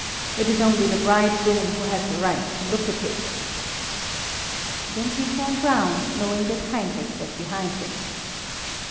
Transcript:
It is only the bridegroom who has the right to look at it." Then he turned round, knowing that Heinrich was behind him.